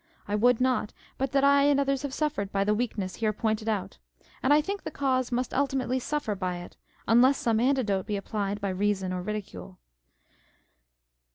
I would not, but that I and others have suffered by the weakness here pointed out ; and I think the cause must ultimately suffer by it, unless some antidote be applied by reason or ridicule.